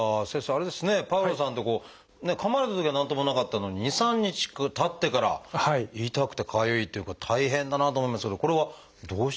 あれですねパウロさんかまれたときは何ともなかったのに２３日たってから痛くてかゆいっていう大変だなと思いますけどこれはどうしてなんでしょうか？